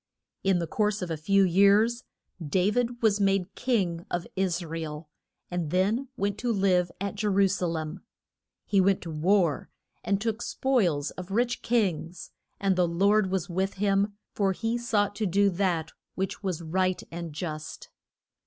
In the course of a few years Da vid was made king of Is ra el, and then went to live at Je ru sa lem. He went to war, and took spoils of rich kings, and the Lord was with him, for he sought to do that which was right and just.